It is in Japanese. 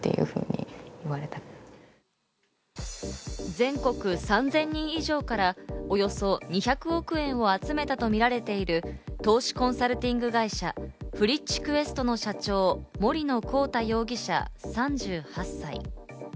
全国３０００人以上からおよそ２００億円を集めたとみられている、投資コンサルティング会社ＦＲｉｃｈＱｕｅｓｔの社長・森野広太容疑者、３８歳。